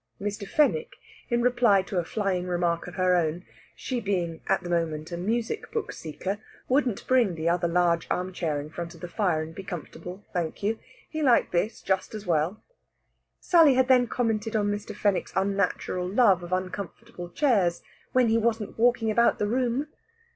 Mr. Fenwick, in reply to a flying remark of her own, she being at the moment a music book seeker, wouldn't bring the other large armchair in front of the fire and be comfortable, thank you. He liked this just as well. Sally had then commented on Mr. Fenwick's unnatural love of uncomfortable chairs "when he wasn't walking about the room."